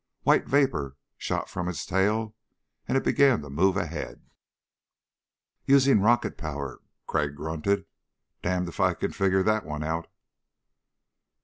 White vapor shot from its tail and it began to move ahead. "Using rocket power," Crag grunted. "Damn if I can figure that one out."